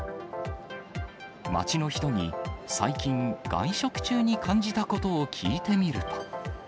街の人に、最近、外食中に感じたことを聞いてみると。